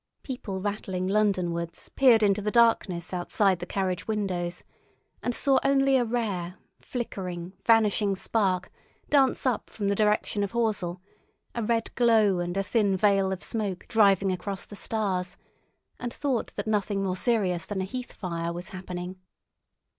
People rattling Londonwards peered into the darkness outside the carriage windows, and saw only a rare, flickering, vanishing spark dance up from the direction of Horsell, a red glow and a thin veil of smoke driving across the stars, and thought that nothing more serious than a heath fire was happening.